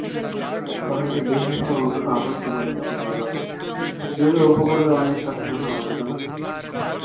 শহরের বেশিরভাগ অংশ আবাসিক এলাকা নিয়ে গড়ে উঠেছে, যদিও উপকূলে অনেক কারখানা ও গুদাম রয়েছে।